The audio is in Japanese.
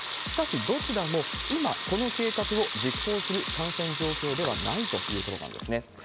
しかし、どちらも今、この計画を実行する感染状況ではないということなんですね。